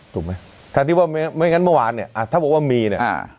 ถูกไหมถ้าที่ว่าไม่ไม่งั้นเมื่อวานเนี่ยถ้าบอกว่ามีเนี่ยอ่า